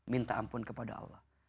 minta ampun kepada allah